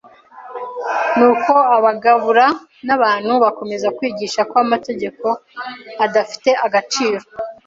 n’uko abagabura n’abantu bakomeza kwigisha ko amategeko adafite agaciro?